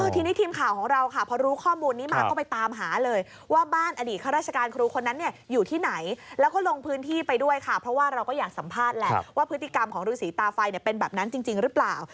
ทีนี้ทีมข่าวของเราค่ะพอรู้ข้อมูลนี้มาก็ไปตามหาเลยว่าบ้านอดีตข้าราชการครูคนนั้นเนี่ยอยู่ที่ไหนแล้วก็ลงพื้นที่ไปด้วยค่ะเพราะว่าเราก็อยากสัมภาษณ์แหละว่าพฤติกรรมของฤษีตาไฟเป็นแบบนั้นจริงหรือเปล่า